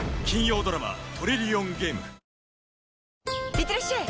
いってらっしゃい！